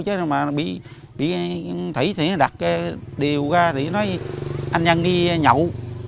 chứ mà bị thủy thì đặt cái điều ra thì nói anh nhân đi nhậu